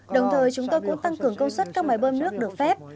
đồng thời chúng tôi cũng tăng cường công suất các máy bơm nước được phép